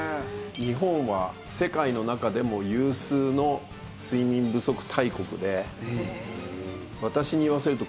日本は世界の中でも有数の睡眠不足大国で私に言わせると。